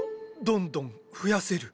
どんどん増やせる。